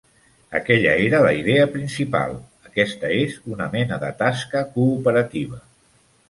Aquella era la idea principal, aquesta és una mena de tasca cooperativa.